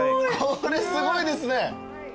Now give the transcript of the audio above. これすごいですね。